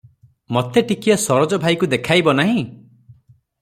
ମତେ ଟିକିଏ ସରୋଜ ଭାଇକୁ ଦେଖାଇବ ନାହିଁ?"